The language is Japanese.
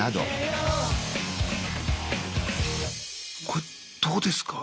これどうですか？